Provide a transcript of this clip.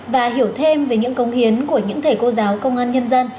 và hiểu thêm về những công hiến của những thầy cô giáo công an nhân dân